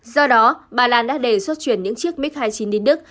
do đó bà lan đã đề xuất chuyển những chiếc mik hai mươi chín đến đức